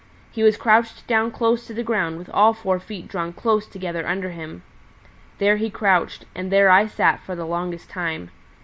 He was crouched down close to the ground with all four feet drawn close together under him. There he crouched, and there I sat for the longest time.